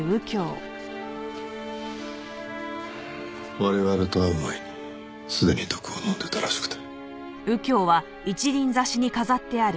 我々と会う前にすでに毒を飲んでいたらしくて。